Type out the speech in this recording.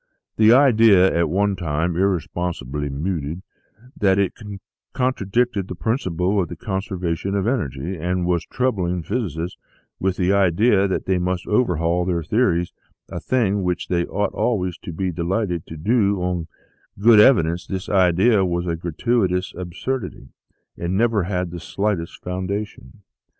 The idea, at one time irresponsibly mooted, that it contradicted the principle of the conservation of energy, and was troubling physicists with the idea that they must overhaul their theories a thing which they ought always to be delighted to do on good evidence this idea was a gratuitous absurdity, and never had the slightest founda tion.